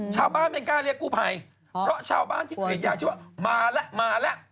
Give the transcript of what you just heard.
ชาวบ้านไม่กล้าเรียกกู้ภัยเพราะชาวบ้านที่กรีดยางชื่อว่ามาแล้วมาแล้ว